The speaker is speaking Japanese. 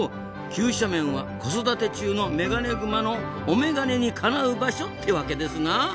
急斜面は子育て中のメガネグマのお眼鏡にかなう場所ってワケですな。